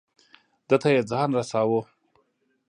ده ته یې ځان رساو.